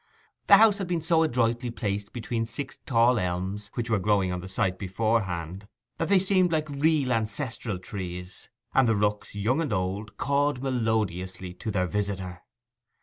The house had been so adroitly placed between six tall elms which were growing on the site beforehand, that they seemed like real ancestral trees; and the rooks, young and old, cawed melodiously to their visitor.